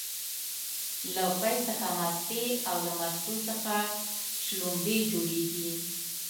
له پی څخه مستې او له مستو څخه شلومبې جوړيږي